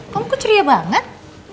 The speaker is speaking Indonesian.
kamu kok curia banget